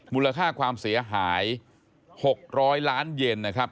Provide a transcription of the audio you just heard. มูลค่าความเสียหาย๖๐๐ล้านเย็นนะครับ